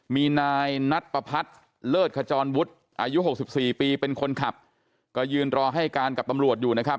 มีนายนัดประพัดเลิศขจรวุฒิอายุ๖๔ปีเป็นคนขับก็ยืนรอให้การกับตำรวจอยู่นะครับ